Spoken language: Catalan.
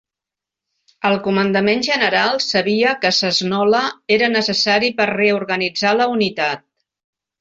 El comandament general sabia que Cesnola era necessari per reorganitzar la unitat.